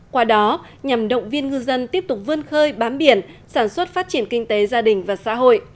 qua đó nhằm động viên ngư dân tiếp tục vươn khơi bám biển sản xuất phát triển kinh tế gia đình và xã hội